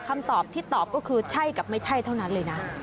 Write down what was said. คำตอบที่ตอบก็คือใช่กับไม่ใช่เท่านั้นเลยนะ